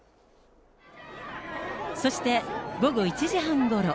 そして午後１時半ごろ。